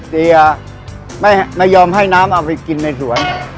เดียไม่ยอมให้น้ำเอาไปกินในสวน